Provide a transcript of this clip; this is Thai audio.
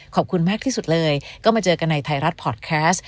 ขอบคุณมากที่สุดเลยก็มาเจอกันในไทยรัฐพอร์ตแคสต์